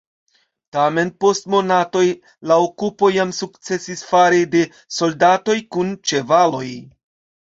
Tamen post monatoj la okupo jam sukcesis fare de soldatoj kun ĉevaloj.